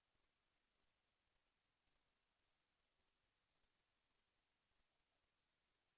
แสวได้ไงของเราก็เชียนนักอยู่ค่ะเป็นผู้ร่วมงานที่ดีมาก